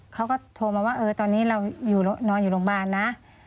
เขาก็โทรมาว่าตอนนี้เรานอนอยู่โรงพยาบาลนะ